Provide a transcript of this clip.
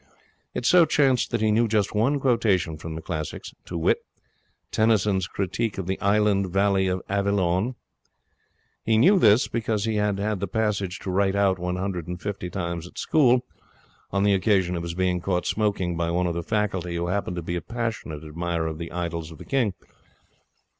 It so chanced that he knew just one quotation from the classics, to wit, Tennyson's critique of the Island Valley of Avilion. He knew this because he had had the passage to write out one hundred and fifty times at school, on the occasion of his being caught smoking by one of the faculty who happened to be a passionate admirer of the 'Idylls of the King'.